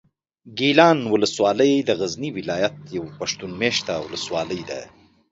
ګیلان اولسوالي د غزني ولایت یوه پښتون مېشته اولسوالي ده.